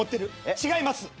違います。